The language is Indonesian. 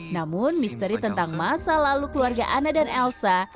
namun misteri tentang masa lalu keluarga ana dan elsa